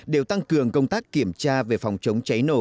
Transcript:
đều tăng cường công tác kiểm tra về phòng chống cháy nổ